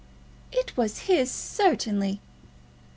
"It was his, certainly."